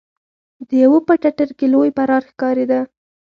د يوه په ټټر کې لوی پرار ښکارېده.